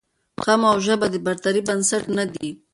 قوم او ژبه د برترۍ بنسټ نه دي